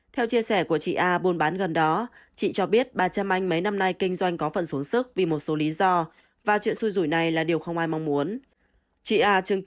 theo chia sẻ của chị a buôn bán gần đó chị cho biết bà cham anh mấy năm nay kinh doanh có phần xuống sức vì một số lý do và chuyện xuôi rủi này là điều không ai mong muốn